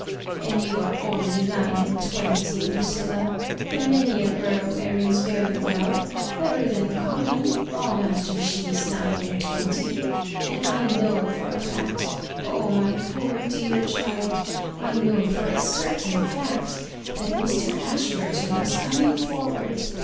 And you are only nine and twenty, LuciUa; and many a girl mar ries very weU— better than common— long after she's nine and twenty ; and I know for a fact — oh I my poor dear chUd, I know for a certain fact — tiiat Mr. Ashburton was coming forward.